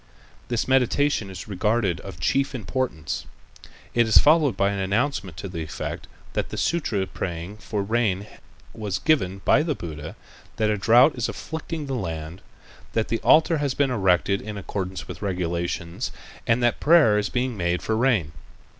This meditation is regarded as of chief importance. It is followed by an announcement to the effect that the sutra praying for rain was given by the Buddha, that a drought is afflicting the land, that the altar has been erected in accordance with the regulations and that prayer is being made for rain.